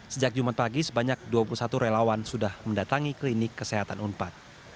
sejak jumat pagi sebanyak dua puluh satu relawan sudah mendatangi klinik kesehatan unpad